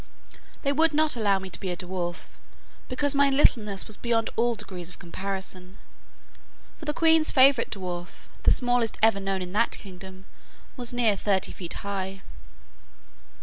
They would not allow me to be a dwarf, because my littleness was beyond all degrees of comparison; for the queen's favourite dwarf, the smallest ever known in that kingdom, was near thirty feet high.